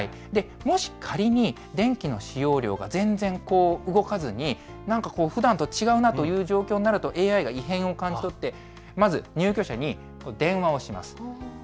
もし仮に電気の使用量が全然動かずに、なんかこう、ふだんと違うなという状況になると、ＡＩが異変を感じ取って、まず、入居者に電話をします。